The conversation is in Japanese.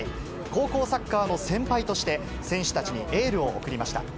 高校サッカーの先輩として、選手たちにエールを送りました。